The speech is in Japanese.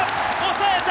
抑えた！